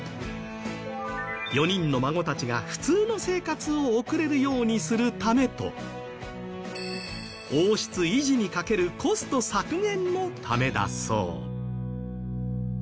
４人の孫たちが、普通の生活を送れるようにするためと王室維持にかけるコスト削減のためだそう。